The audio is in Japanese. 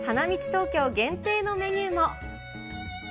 東京限定のメニューも。